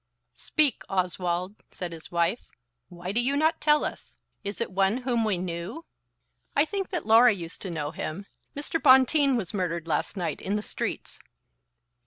"Speak, Oswald," said his wife. "Why do you not tell us? Is it one whom we knew?" "I think that Laura used to know him. Mr. Bonteen was murdered last night in the streets."